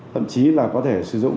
thậm chí là có thể sử dụng